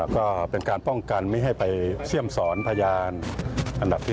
ก็เป็นการป้องกันไม่ให้ไปเสี่ยมสอนพยานอันดับที่๑